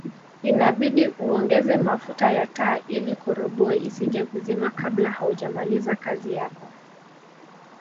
Inabidi uongeze mafuta ya taa ili koroboi isije kuzima kabla haujamaliza kazi yako